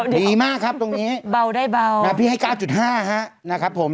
ดีมากครับตรงนี้เบาได้เบานะพี่ให้๙๕ฮะนะครับผม